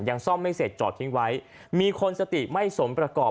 ยังซ่อมไม่เสร็จจอดทิ้งไว้มีคนสติไม่สมประกอบ